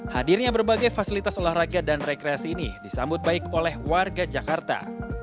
hadirnya berbagai fasilitas olahraga dan rekreasi ini disambut baik oleh warga jakarta